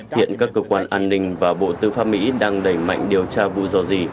hiện các cơ quan an ninh và bộ tư pháp mỹ đang đẩy mạnh điều tra vụ dò dỉ